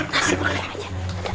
mas makan aja